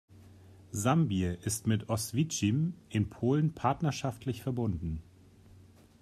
Sambir ist mit Oświęcim in Polen partnerschaftlich verbunden.